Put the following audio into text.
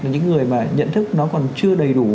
những người mà nhận thức nó còn chưa đầy đủ